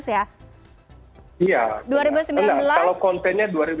iya kalau kontennya dua ribu delapan belas